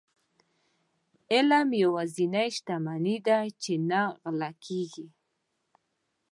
علم يوازنی شتمني ده چي نه غلا کيږي.